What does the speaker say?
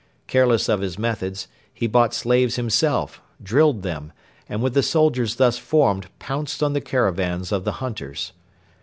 Careless of his methods, he bought slaves himself, drilled them, and with the soldiers thus formed pounced on the caravans of the hunters.